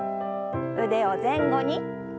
腕を前後に。